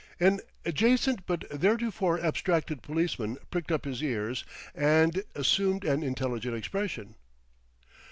An adjacent but theretofore abstracted policeman pricked up his ears and assumed an intelligent expression.